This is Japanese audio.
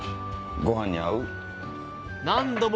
ご飯に合う？